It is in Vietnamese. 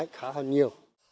khá là nhiều